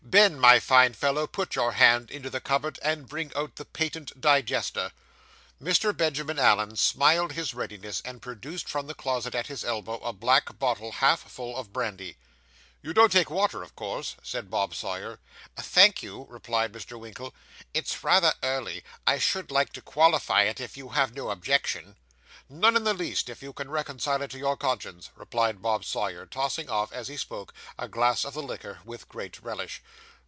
Ben, my fine fellow, put your hand into the cupboard, and bring out the patent digester.' Mr. Benjamin Allen smiled his readiness, and produced from the closet at his elbow a black bottle half full of brandy. 'You don't take water, of course?' said Bob Sawyer. 'Thank you,' replied Mr. Winkle. 'It's rather early. I should like to qualify it, if you have no objection.' 'None in the least, if you can reconcile it to your conscience,' replied Bob Sawyer, tossing off, as he spoke, a glass of the liquor with great relish.